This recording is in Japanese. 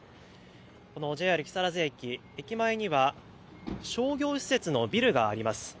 このＪＲ木更津駅、駅前には商業施設のビルがあります。